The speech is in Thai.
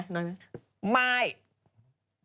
ปล่อยให้เบลล่าว่าง